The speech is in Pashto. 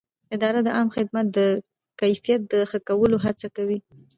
اداره د عامه خدمت د کیفیت د ښه کولو هڅه کوي.